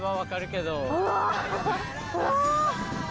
うわ！